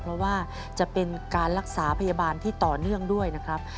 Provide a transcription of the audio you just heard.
เพราะว่าจะเป็นการรักษาพยาบาลที่ต่อเนื่องด้วยนะครับ